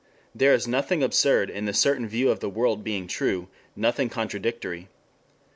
There is nothing absurd in a certain view of the world being true, nothing contradictory; 2.